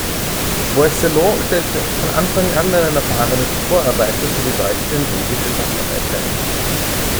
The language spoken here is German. Boisselot stellte von Anfang an einen erfahrenen Vorarbeiter sowie deutsche und englische Facharbeiter ein.